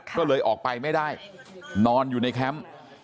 ก็เลยออกไปไม่ได้นอนอยู่ในแคมป์